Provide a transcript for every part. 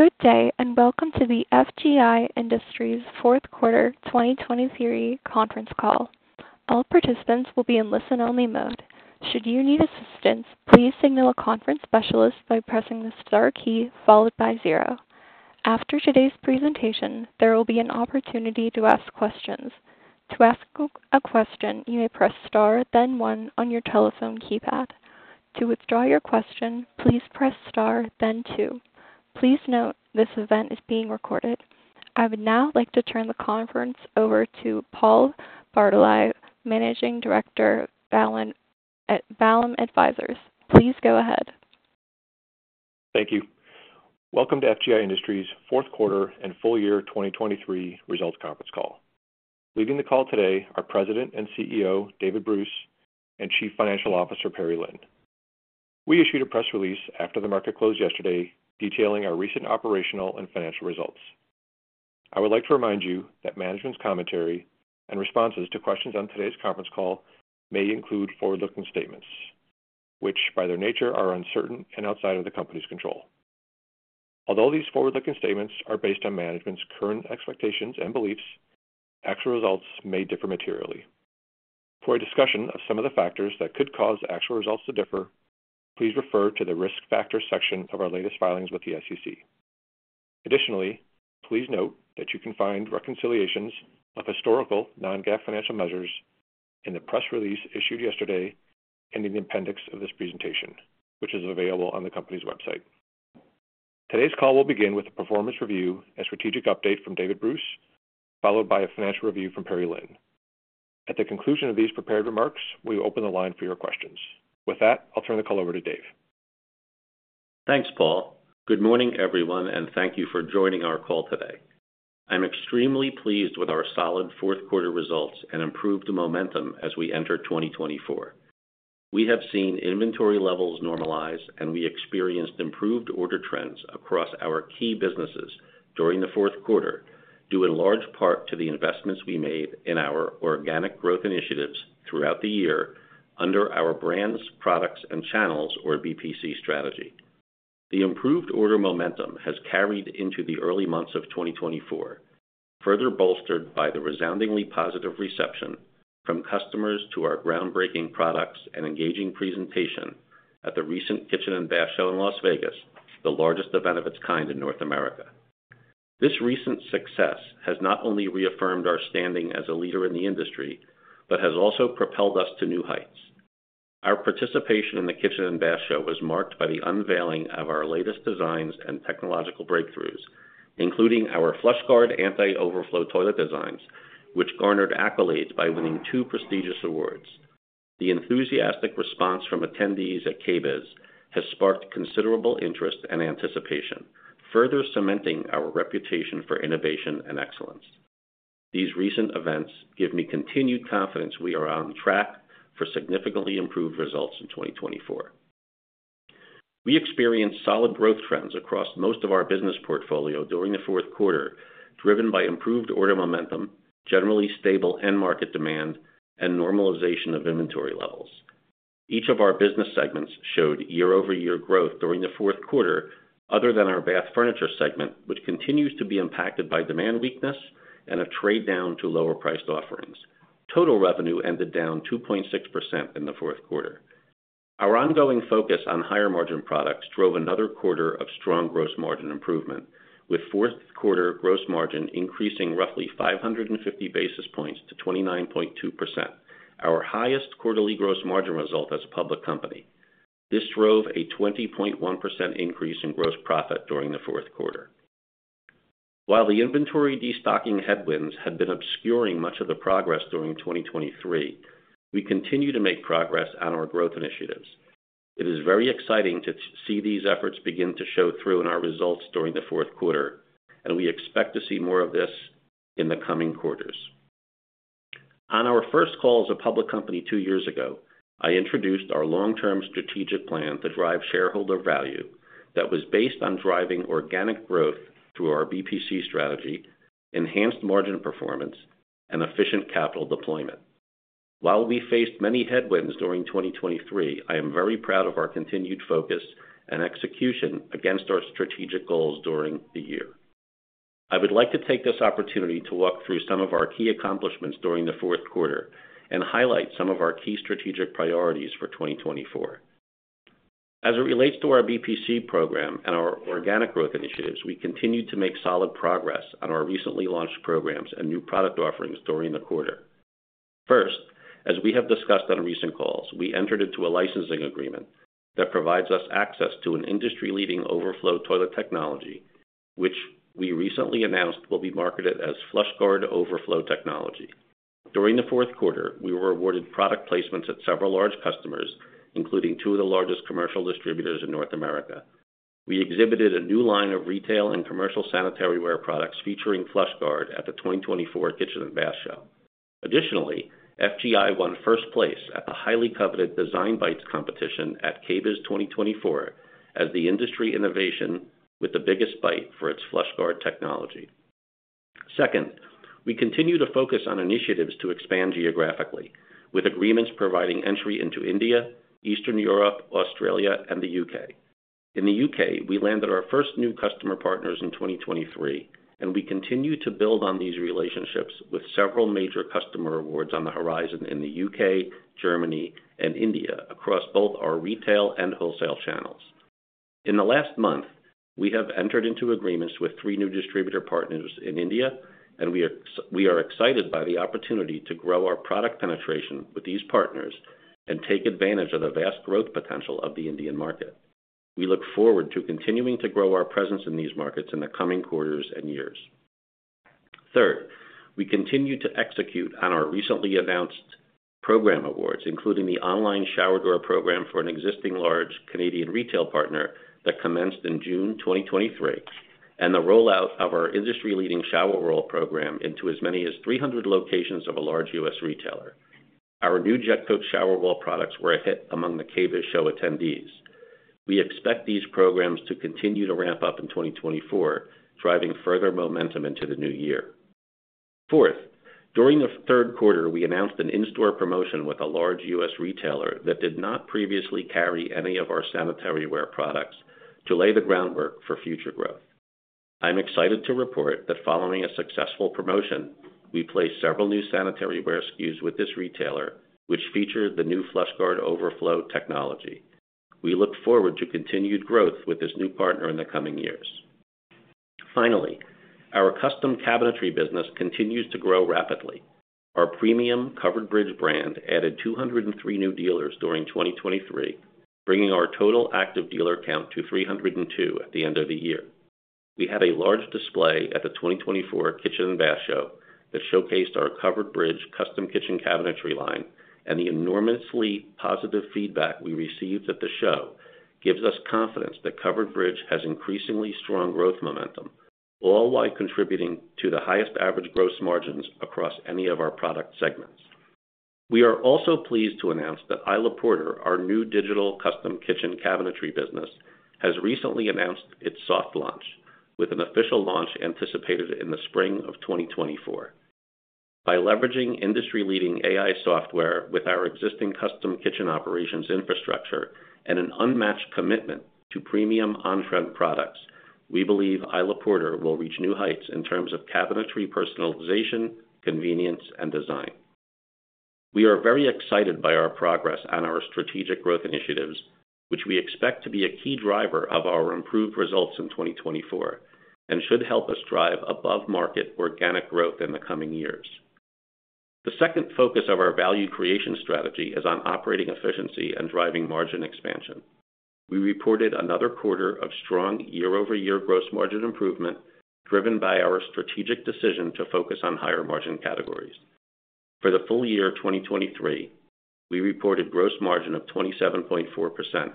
Good day, and welcome to the FGI Industries fourth quarter 2023 conference call. All participants will be in listen-only mode. Should you need assistance, please signal a conference specialist by pressing the star key followed by zero. After today's presentation, there will be an opportunity to ask questions. To ask a question, you may press star, then one on your telephone keypad. To withdraw your question, please press star, then two. Please note, this event is being recorded. I would now like to turn the conference over to Paul Bartolai, Managing Director at Vallum Advisors. Please go ahead. Thank you. Welcome to FGI Industries' fourth quarter and full year 2023 results conference call. Leading the call today are President and CEO, David Bruce, and Chief Financial Officer, Perry Lin. We issued a press release after the market closed yesterday, detailing our recent operational and financial results. I would like to remind you that management's commentary and responses to questions on today's conference call may include forward-looking statements, which, by their nature, are uncertain and outside of the company's control. Although these forward-looking statements are based on management's current expectations and beliefs, actual results may differ materially. For a discussion of some of the factors that could cause actual results to differ, please refer to the Risk Factors section of our latest filings with the SEC. Additionally, please note that you can find reconciliations of historical Non-GAAP financial measures in the press release issued yesterday and in the appendix of this presentation, which is available on the company's website. Today's call will begin with a performance review and strategic update from David Bruce, followed by a financial review from Perry Lin. At the conclusion of these prepared remarks, we will open the line for your questions. With that, I'll turn the call over to Dave. Thanks, Paul. Good morning, everyone, and thank you for joining our call today. I'm extremely pleased with our solid fourth quarter results and improved momentum as we enter 2024. We have seen inventory levels normalize, and we experienced improved order trends across our key businesses during the fourth quarter, due in large part to the investments we made in our organic growth initiatives throughout the year under our Brands, Products, and Channels, or BPC strategy. The improved order momentum has carried into the early months of 2024, further bolstered by the resoundingly positive reception from customers to our groundbreaking products and engaging presentation at the recent Kitchen and Bath Show in Las Vegas, the largest event of its kind in North America. This recent success has not only reaffirmed our standing as a leader in the industry, but has also propelled us to new heights. Our participation in the Kitchen and Bath Show was marked by the unveiling of our latest designs and technological breakthroughs, including our Flush Guard anti-overflow toilet designs, which garnered accolades by winning two prestigious awards. The enthusiastic response from attendees at KBIS has sparked considerable interest and anticipation, further cementing our reputation for innovation and excellence. These recent events give me continued confidence we are on track for significantly improved results in 2024. We experienced solid growth trends across most of our business portfolio during the fourth quarter, driven by improved order momentum, generally stable end market demand, and normalization of inventory levels. Each of our business segments showed year-over-year growth during the fourth quarter, other than our bath furniture segment, which continues to be impacted by demand weakness and a trade down to lower-priced offerings. Total revenue ended down 2.6% in the fourth quarter. Our ongoing focus on higher-margin products drove another quarter of strong gross margin improvement, with fourth quarter gross margin increasing roughly 550 basis points to 29.2%, our highest quarterly gross margin result as a public company. This drove a 20.1% increase in gross profit during the fourth quarter. While the inventory destocking headwinds had been obscuring much of the progress during 2023, we continue to make progress on our growth initiatives. It is very exciting to see these efforts begin to show through in our results during the fourth quarter, and we expect to see more of this in the coming quarters. On our first call as a public company two years ago, I introduced our long-term strategic plan to drive shareholder value that was based on driving organic growth through our BPC strategy, enhanced margin performance, and efficient capital deployment. While we faced many headwinds during 2023, I am very proud of our continued focus and execution against our strategic goals during the year. I would like to take this opportunity to walk through some of our key accomplishments during the fourth quarter and highlight some of our key strategic priorities for 2024. As it relates to our BPC program and our organic growth initiatives, we continued to make solid progress on our recently launched programs and new product offerings during the quarter. First, as we have discussed on recent calls, we entered into a licensing agreement that provides us access to an industry-leading overflow toilet technology, which we recently announced will be marketed as Flush Guard Overflow Technology. During the fourth quarter, we were awarded product placements at several large customers, including two of the largest commercial distributors in North America. We exhibited a new line of retail and commercial sanitary ware products featuring Flush Guard at the 2024 Kitchen and Bath Show. Additionally, FGI won first place at the highly coveted DesignBites competition at KBIS 2024 as the industry innovation with the biggest bite for its Flush Guard technology. Second, we continue to focus on initiatives to expand geographically, with agreements providing entry into India, Eastern Europe, Australia, and the U.K. In the U.K., we landed our first new customer partners in 2023, and we continue to build on these relationships with several major customer awards on the horizon in the U.K., Germany, and India, across both our retail and wholesale channels. In the last month, we have entered into agreements with three new distributor partners in India, and we are excited by the opportunity to grow our product penetration with these partners and take advantage of the vast growth potential of the Indian market. We look forward to continuing to grow our presence in these markets in the coming quarters and years. Third, we continue to execute on our recently announced program awards, including the online shower door program for an existing large Canadian retail partner that commenced in June 2023, and the rollout of our industry-leading shower wall program into as many as 300 locations of a large U.S. retailer. Our new Jetcoat shower wall products were a hit among the KBIS show attendees. We expect these programs to continue to ramp up in 2024, driving further momentum into the new year. Fourth, during the third quarter, we announced an in-store promotion with a large U.S. retailer that did not previously carry any of our sanitary ware products to lay the groundwork for future growth. I'm excited to report that following a successful promotion, we placed several new sanitary ware SKUs with this retailer, which feature the new Flush Guard overflow technology. We look forward to continued growth with this new partner in the coming years. Finally, our custom cabinetry business continues to grow rapidly. Our premium Covered Bridge brand added 203 new dealers during 2023, bringing our total active dealer count to 302 at the end of the year. We had a large display at the 2024 Kitchen and Bath Show that showcased our Covered Bridge custom kitchen cabinetry line, and the enormously positive feedback we received at the show gives us confidence that Covered Bridge has increasingly strong growth momentum, all while contributing to the highest average gross margins across any of our product segments. We are also pleased to announce that Isla Porter, our new digital custom kitchen cabinetry business, has recently announced its soft launch, with an official launch anticipated in the spring of 2024. By leveraging industry-leading AI software with our existing custom kitchen operations infrastructure and an unmatched commitment to premium on-trend products, we believe Isla Porter will reach new heights in terms of cabinetry, personalization, convenience, and design. We are very excited by our progress on our strategic growth initiatives, which we expect to be a key driver of our improved results in 2024 and should help us drive above-market organic growth in the coming years. The second focus of our value creation strategy is on operating efficiency and driving margin expansion. We reported another quarter of strong year-over-year gross margin improvement, driven by our strategic decision to focus on higher-margin categories. For the full year 2023, we reported gross margin of 27.4%,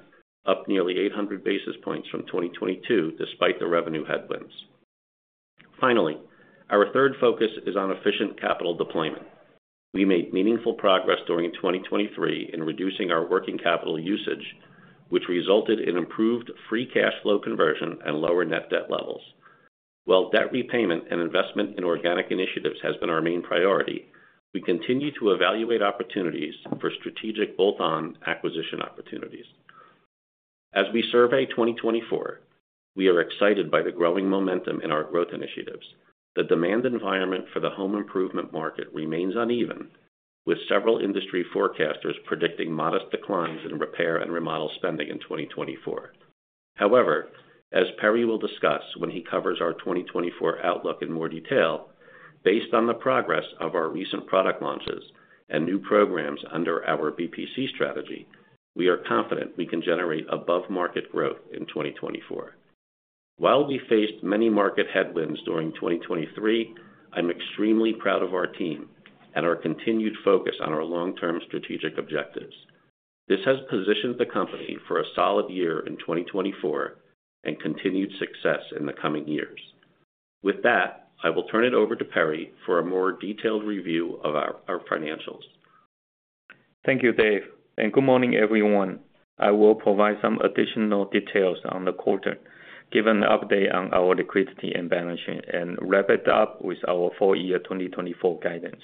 up nearly 800 basis points from 2022, despite the revenue headwinds. Finally, our third focus is on efficient capital deployment. We made meaningful progress during 2023 in reducing our working capital usage, which resulted in improved free cash flow conversion and lower net debt levels. While debt repayment and investment in organic initiatives has been our main priority, we continue to evaluate opportunities for strategic bolt-on acquisition opportunities. As we survey 2024, we are excited by the growing momentum in our growth initiatives. The demand environment for the home improvement market remains uneven, with several industry forecasters predicting modest declines in repair and remodel spending in 2024. However, as Perry will discuss when he covers our 2024 outlook in more detail, based on the progress of our recent product launches and new programs under our BPC strategy, we are confident we can generate above-market growth in 2024. While we faced many market headwinds during 2023, I'm extremely proud of our team and our continued focus on our long-term strategic objectives. This has positioned the company for a solid year in 2024 and continued success in the coming years. With that, I will turn it over to Perry for a more detailed review of our financials. Thank you, Dave, and good morning, everyone. I will provide some additional details on the quarter, give an update on our liquidity and balance sheet, and wrap it up with our full year 2024 guidance.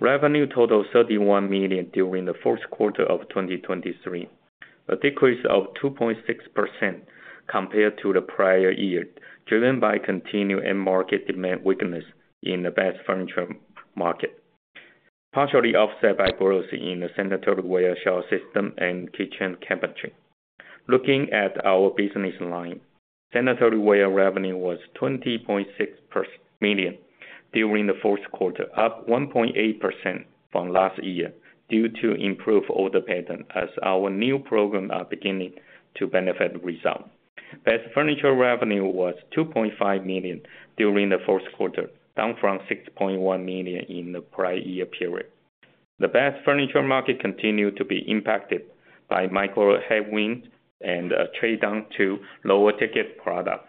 Revenue total, $31 million during the fourth quarter of 2023, a decrease of 2.6% compared to the prior year, driven by continued end market demand weakness in the bath furniture market, partially offset by growth in the sanitary ware shower system and kitchen cabinetry. Looking at our business line, sanitary ware revenue was $20.6 million during the fourth quarter, up 1.8% from last year due to improved order pattern as our new program are beginning to benefit the result. Bath furniture revenue was $2.5 million during the fourth quarter, down from $6.1 million in the prior year period. The bath furniture market continued to be impacted by macro headwinds and a trade down to lower-ticket products.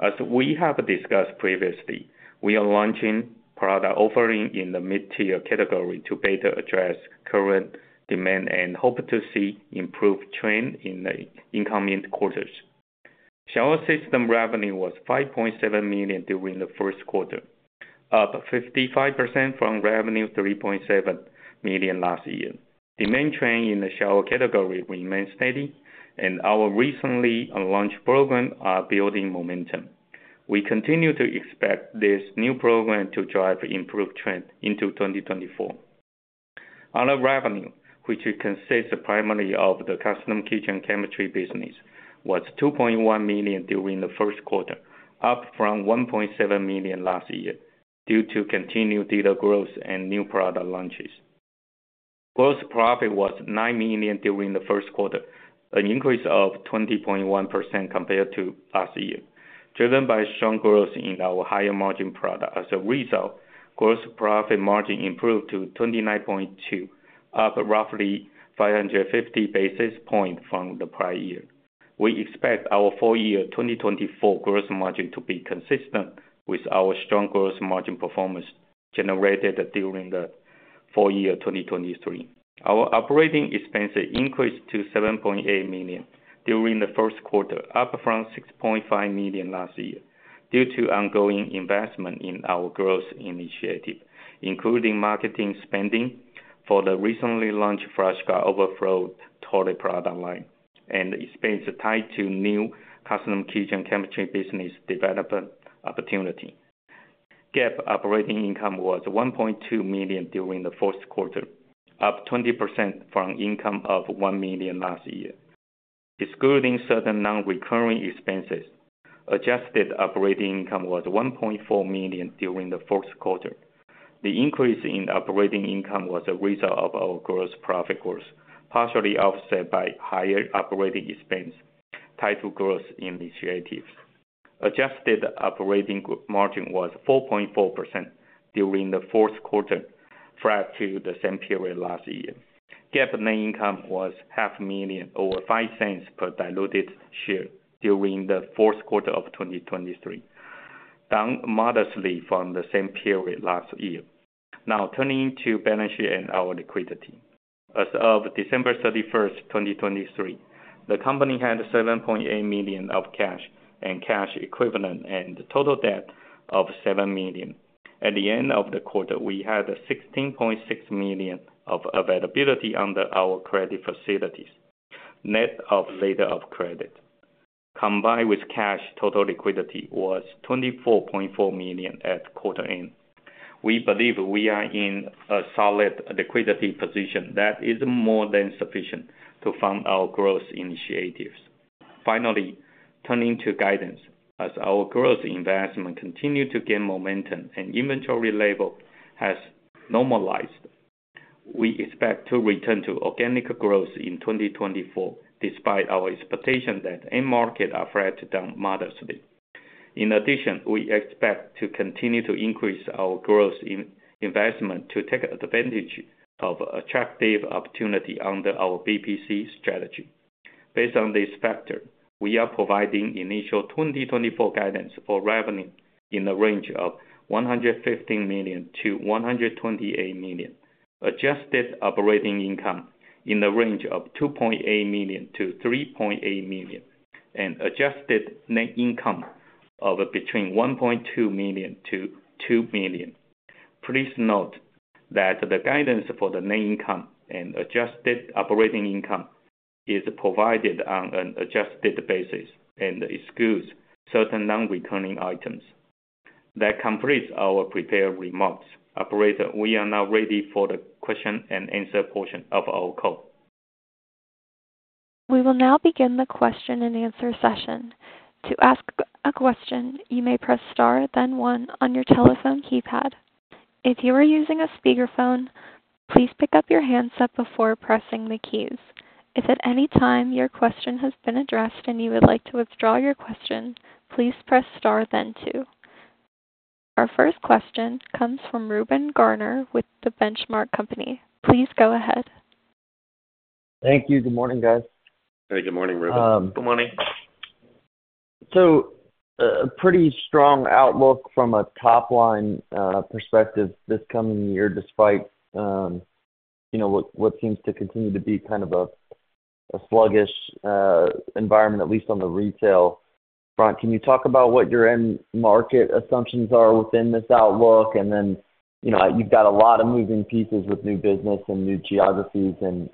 As we have discussed previously, we are launching product offering in the mid-tier category to better address current demand and hope to see improved trend in the incoming quarters. Shower system revenue was $5.7 million during the first quarter, up 55% from $3.7 million last year. Demand trend in the shower category remains steady, and our recently launched program are building momentum. We continue to expect this new program to drive improved trend into 2024. Other revenue, which consists primarily of the custom kitchen cabinetry business, was $2.1 million during the first quarter, up from $1.7 million last year, due to continued demand growth and new product launches. Gross profit was $9 million during the first quarter, an increase of 20.1% compared to last year, driven by strong growth in our higher-margin product. As a result, gross profit margin improved to 29.2%, up roughly 550 basis points from the prior year. We expect our full year 2024 gross margin to be consistent with our strong gross margin performance generated during the full year 2023. Our operating expenses increased to $7.8 million during the first quarter, up from $6.5 million last year, due to ongoing investment in our growth initiatives, including marketing spending for the recently launched FlushPower Overflow toilet product line and expenses tied to new custom kitchen cabinetry business development opportunity. GAAP operating income was $1.2 million during the first quarter, up 20% from income of $1 million last year. Excluding certain non-recurring expenses, adjusted operating income was $1.4 million during the fourth quarter. The increase in operating income was a result of our gross profit growth, partially offset by higher operating expense tied to growth initiatives. Adjusted operating margin was 4.4% during the fourth quarter, flat to the same period last year. GAAP net income was $500,000 or $0.05 per diluted share during the fourth quarter of 2023, down modestly from the same period last year. Now, turning to balance sheet and our liquidity. As of December 31st, 2023, the company had $7.8 million of cash and cash equivalents and total debt of $7 million. At the end of the quarter, we had $16.6 million of availability under our credit facilities, net of letter of credit. Combined with cash, total liquidity was $24.4 million at quarter end. We believe we are in a solid liquidity position that is more than sufficient to fund our growth initiatives. Finally, turning to guidance. As our growth investment continue to gain momentum and inventory level has normalized, we expect to return to organic growth in 2024, despite our expectation that end market are flat to down modestly. In addition, we expect to continue to increase our growth in investment to take advantage of attractive opportunity under our BPC strategy. Based on this factor, we are providing initial 2024 guidance for revenue in the range of $115 million-$128 million. Adjusted operating income in the range of $2.8 million-$3.8 million, and adjusted net income of between $1.2 million-$2 million. Please note that the guidance for the net income and adjusted operating income is provided on an adjusted basis and excludes certain non-recurring items. That completes our prepared remarks. Operator, we are now ready for the question and answer portion of our call. We will now begin the question and answer session. To ask a question, you may press star, then one on your telephone keypad. If you are using a speakerphone, please pick up your handset before pressing the keys. If at any time your question has been addressed and you would like to withdraw your question, please press star then two. Our first question comes from Reuben Garner with The Benchmark Company. Please go ahead. Thank you. Good morning, guys. Hey, good morning, Reuben. Good morning. So, a pretty strong outlook from a top line perspective this coming year, despite, you know, what seems to continue to be kind of a sluggish environment, at least on the retail front. Can you talk about what your end market assumptions are within this outlook? And then, you know, you've got a lot of moving pieces with new business and new geographies and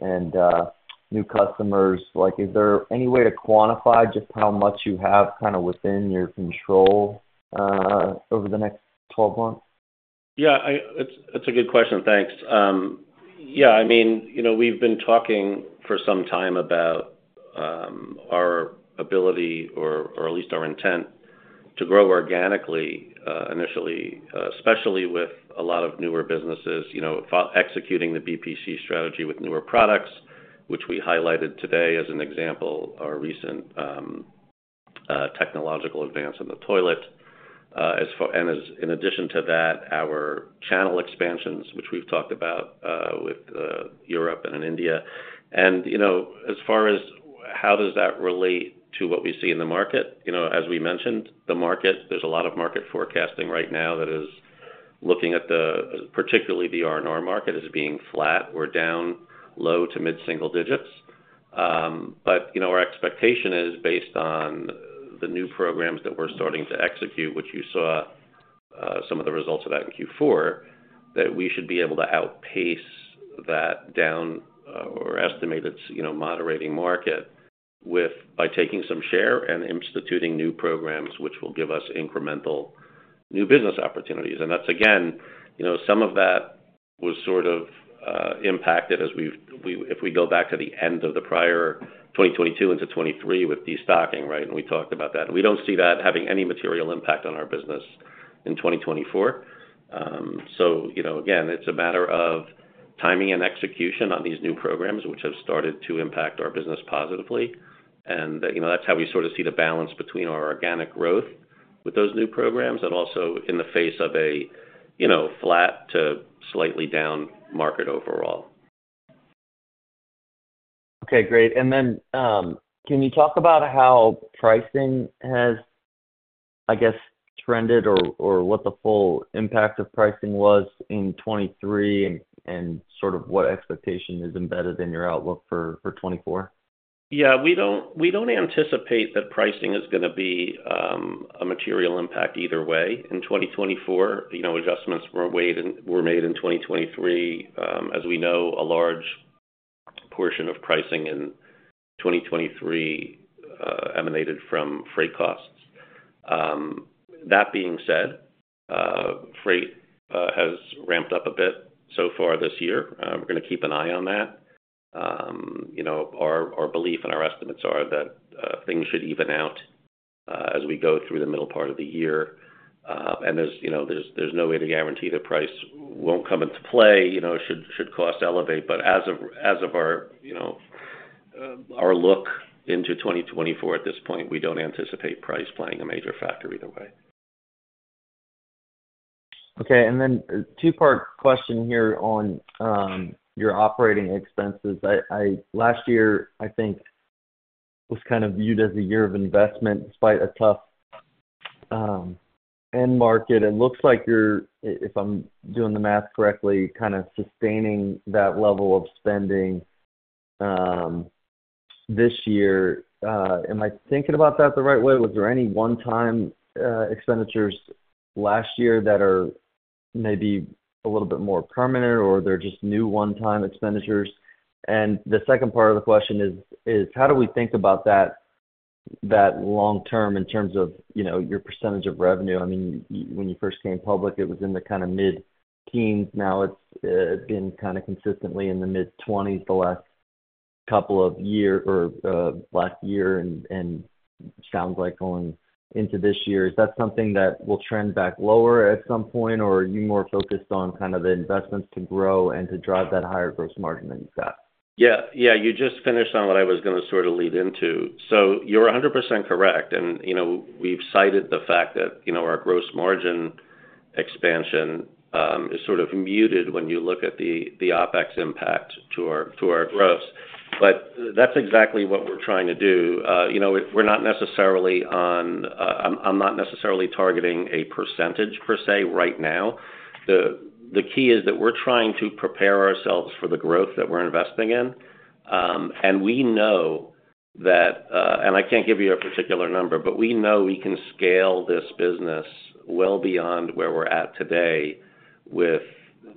new customers. Like, is there any way to quantify just how much you have kind of within your control over the next 12 months? Yeah, it's a good question. Thanks. Yeah, I mean, you know, we've been talking for some time about our ability or at least our intent to grow organically, initially, especially with a lot of newer businesses, you know, executing the BPC strategy with newer products, which we highlighted today as an example, our recent technological advance in the toilet. And in addition to that, our channel expansions, which we've talked about, with Europe and in India. And, you know, as far as how does that relate to what we see in the market? You know, as we mentioned, the market, there's a lot of market forecasting right now that is looking at the, particularly the R&R market as being flat or down low to mid-single digits. But, you know, our expectation is based on the new programs that we're starting to execute, which you saw some of the results of that in Q4, that we should be able to outpace that down or estimated, you know, moderating market with by taking some share and instituting new programs, which will give us incremental new business opportunities. And that's, again, you know, some of that was sort of impacted as if we go back to the end of the prior 2022 into 2023 with destocking, right? And we talked about that. We don't see that having any material impact on our business in 2024. So, you know, again, it's a matter of timing and execution on these new programs, which have started to impact our business positively. You know, that's how we sort of see the balance between our organic growth with those new programs, and also in the face of a, you know, flat to slightly down market overall. Okay, great. And then, can you talk about how pricing has, I guess, trended or, or what the full impact of pricing was in 2023, and, and sort of what expectation is embedded in your outlook for, for 2024? Yeah, we don't, we don't anticipate that pricing is gonna be a material impact either way in 2024. You know, adjustments were made in 2023. As we know, a large portion of pricing in 2023 emanated from freight costs. That being said, freight has ramped up a bit so far this year. We're gonna keep an eye on that. You know, our, our belief and our estimates are that things should even out as we go through the middle part of the year. And there's, you know, there's, there's no way to guarantee that price won't come into play, you know, should, should cost elevate. But as of, as of our, you know, our look into 2024 at this point, we don't anticipate price playing a major factor either way. Okay. And then a two-part question here on your operating expenses. Last year, I think, was kind of viewed as a year of investment, despite a tough end market. It looks like you're, if I'm doing the math correctly, kind of sustaining that level of spending this year. Am I thinking about that the right way? Was there any one-time expenditures last year that are maybe a little bit more permanent, or they're just new one-time expenditures? And the second part of the question is: how do we think about that long term in terms of, you know, your percentage of revenue? I mean, when you first came public, it was in the kind of mid-teens. Now, it's been kind of consistently in the mid-twenties the last couple of years or last year, and sounds like going into this year. Is that something that will trend back lower at some point, or are you more focused on kind of the investments to grow and to drive that higher gross margin that you've got? Yeah. Yeah, you just finished on what I was gonna sort of lead into. So you're 100% correct, and, you know, we've cited the fact that, you know, our gross margin expansion is sort of muted when you look at the OpEx impact to our growth. But that's exactly what we're trying to do. You know, we're not necessarily on. I'm not necessarily targeting a percentage per se, right now. The key is that we're trying to prepare ourselves for the growth that we're investing in. And we know that, and I can't give you a particular number, but we know we can scale this business well beyond where we're at today with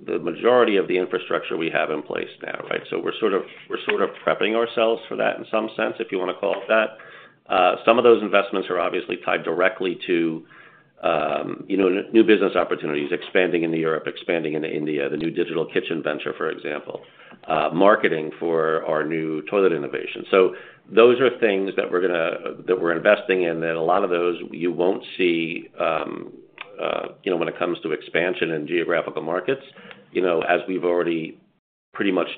the majority of the infrastructure we have in place now, right? So we're sort of, we're sort of prepping ourselves for that in some sense, if you wanna call it that. Some of those investments are obviously tied directly to, you know, new business opportunities, expanding into Europe, expanding into India, the new digital kitchen venture, for example, marketing for our new toilet innovation. So those are things that we're investing in, that a lot of those you won't see, you know, when it comes to expansion in geographical markets. You know, as we've already pretty much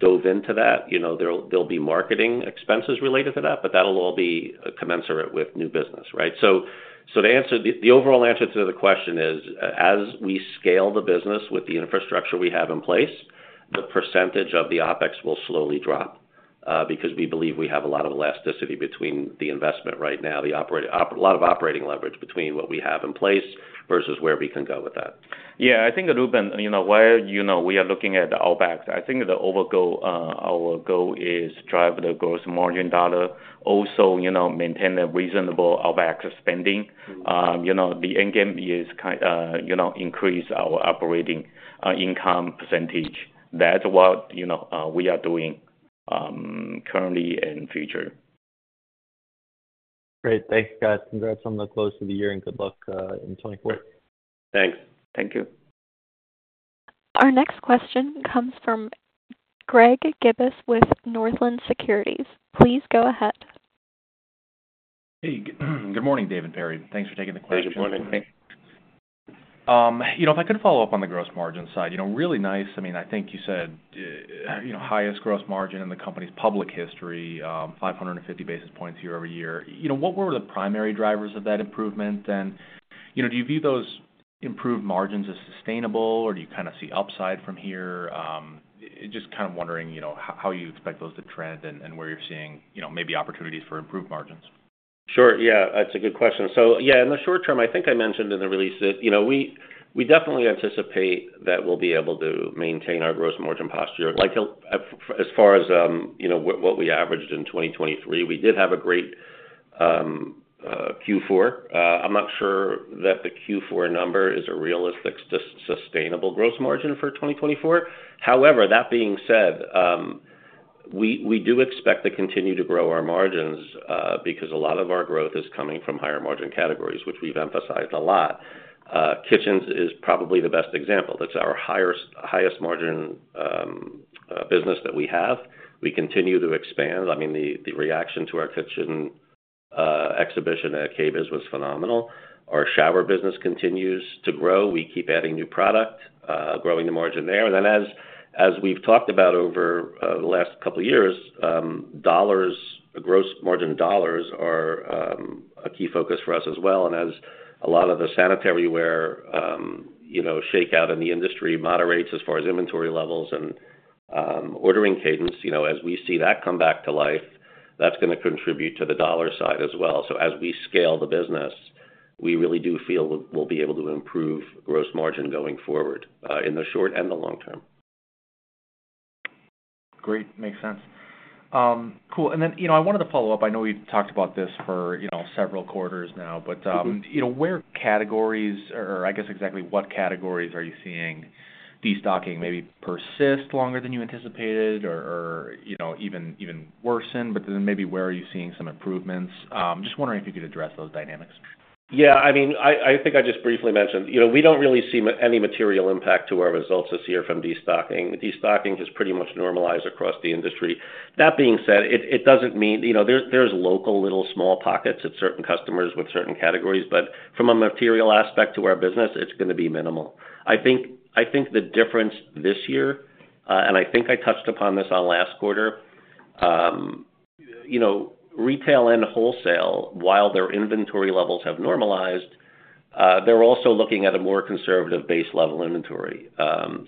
dove into that, you know, there'll be marketing expenses related to that, but that'll all be commensurate with new business, right? The overall answer to the question is, as we scale the business with the infrastructure we have in place, the percentage of the OpEx will slowly drop, because we believe we have a lot of elasticity between the investment right now, a lot of operating leverage between what we have in place versus where we can go with that. Yeah, I think, Reuben, you know, where, you know, we are looking at the OpEx, I think the overall goal, our goal is drive the gross margin dollar. Also, you know, maintain a reasonable OpEx spending. You know, the end game is, you know, increase our operating income percentage. That's what, you know, we are doing, currently and future. Great. Thanks, guys. Congrats on the close of the year, and good luck in 2024. Thanks. Thank you. Our next question comes from Greg Gibas with Northland Securities. Please go ahead. Hey, good morning, Dave and Perry. Thanks for taking the questions. Good morning. You know, if I could follow up on the gross margin side, you know, really nice. I mean, I think you said, you know, highest gross margin in the company's public history, 550 basis points year-over-year. You know, what were the primary drivers of that improvement? And, you know, do you view those improved margins as sustainable, or do you kind of see upside from here? Just kind of wondering, you know, how you expect those to trend and where you're seeing, you know, maybe opportunities for improved margins.... Sure. Yeah, that's a good question. So, yeah, in the short term, I think I mentioned in the release that, you know, we definitely anticipate that we'll be able to maintain our gross margin posture, like, till as far as what we averaged in 2023. We did have a great Q4. I'm not sure that the Q4 number is a realistic sustainable gross margin for 2024. However, that being said, we do expect to continue to grow our margins because a lot of our growth is coming from higher margin categories, which we've emphasized a lot. Kitchens is probably the best example. That's our highest margin business that we have. We continue to expand. I mean, the reaction to our kitchen exhibition at KBIS was phenomenal. Our shower business continues to grow. We keep adding new product, growing the margin there. And then as we've talked about over the last couple of years, dollars, gross margin dollars are a key focus for us as well. And as a lot of the sanitary ware, you know, shake out in the industry moderates as far as inventory levels and, ordering cadence, you know, as we see that come back to life, that's gonna contribute to the dollar side as well. So as we scale the business, we really do feel we'll be able to improve gross margin going forward, in the short and the long term. Great. Makes sense. Cool. And then, you know, I wanted to follow up. I know we've talked about this for, you know, several quarters now, but, Mm-hmm. You know, where categories or, or I guess, exactly what categories are you seeing destocking maybe persist longer than you anticipated or, or, you know, even, even worsen? But then maybe where are you seeing some improvements? Just wondering if you could address those dynamics. Yeah, I mean, I think I just briefly mentioned, you know, we don't really see any material impact to our results this year from destocking. Destocking has pretty much normalized across the industry. That being said, it doesn't mean... You know, there's local, little, small pockets at certain customers with certain categories, but from a material aspect to our business, it's gonna be minimal. I think the difference this year, and I think I touched upon this on last quarter, you know, retail and wholesale, while their inventory levels have normalized, they're also looking at a more conservative base level inventory.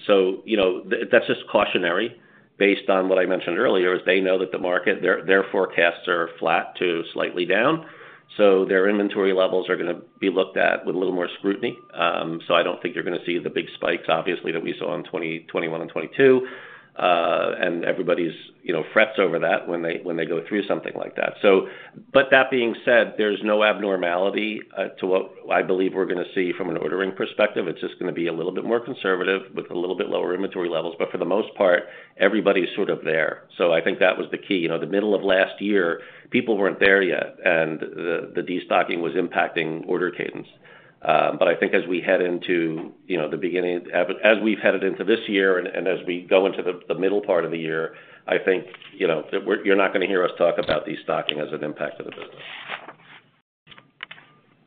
So, you know, that's just cautionary, based on what I mentioned earlier, is they know that the market, their, their forecasts are flat to slightly down, so their inventory levels are gonna be looked at with a little more scrutiny. So I don't think you're gonna see the big spikes, obviously, that we saw in 2021 and 2022. And everybody's, you know, frets over that when they, when they go through something like that. So but that being said, there's no abnormality to what I believe we're gonna see from an ordering perspective. It's just gonna be a little bit more conservative with a little bit lower inventory levels, but for the most part, everybody's sort of there. So I think that was the key. You know, the middle of last year, people weren't there yet, and the, the destocking was impacting order cadence. I think, as we head into, you know, as we've headed into this year and as we go into the middle part of the year, I think, you know, that you're not gonna hear us talk about destocking as an impact to the business.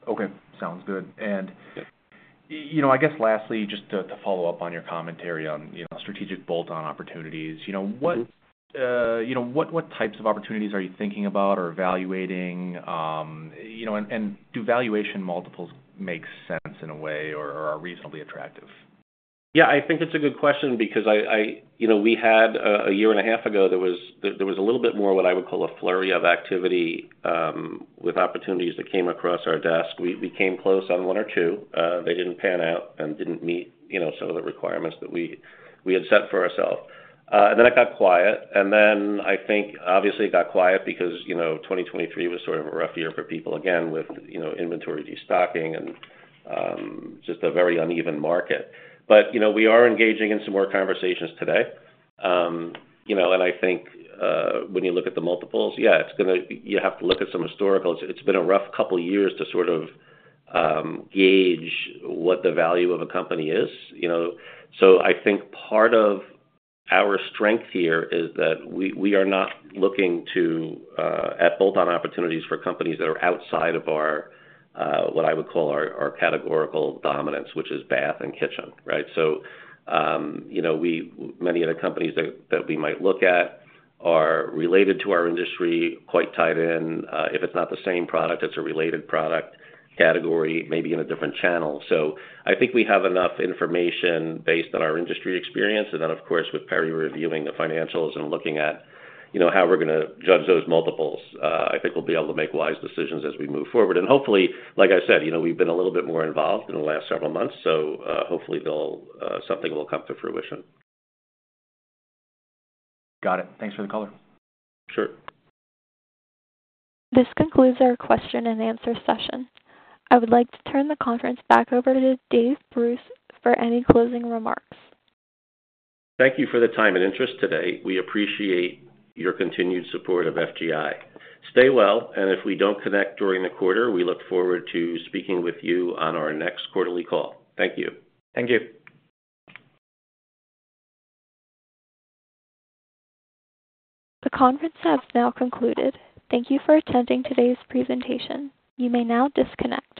Okay, sounds good. You know, I guess lastly, just to follow up on your commentary on, you know, strategic bolt-on opportunities, you know- Mm-hmm. You know, what types of opportunities are you thinking about or evaluating? You know, and do valuation multiples make sense in a way or are reasonably attractive? Yeah, I think it's a good question because I... You know, we had a year and a half ago, there was a little bit more what I would call a flurry of activity with opportunities that came across our desk. We came close on one or two. They didn't pan out and didn't meet, you know, some of the requirements that we had set for ourselves. And then it got quiet, and then I think obviously it got quiet because, you know, 2023 was sort of a rough year for people, again, with, you know, inventory destocking and just a very uneven market. But, you know, we are engaging in some more conversations today. You know, and I think when you look at the multiples, yeah, it's gonna. You have to look at some historicals. It's been a rough couple of years to sort of gauge what the value of a company is. You know, so I think part of our strength here is that we are not looking to at bolt-on opportunities for companies that are outside of our what I would call our categorical dominance, which is bath and kitchen, right? So, you know, we—many of the companies that we might look at are related to our industry, quite tied in. If it's not the same product, it's a related product category, maybe in a different channel. So I think we have enough information based on our industry experience, and then, of course, with Perry reviewing the financials and looking at, you know, how we're gonna judge those multiples. I think we'll be able to make wise decisions as we move forward. Hopefully, like I said, you know, we've been a little bit more involved in the last several months, so, hopefully they'll... something will come to fruition. Got it. Thanks for the color. Sure. This concludes our question and answer session. I would like to turn the conference back over to Dave Bruce for any closing remarks. Thank you for the time and interest today. We appreciate your continued support of FGI. Stay well, and if we don't connect during the quarter, we look forward to speaking with you on our next quarterly call. Thank you. Thank you. The conference has now concluded. Thank you for attending today's presentation. You may now disconnect.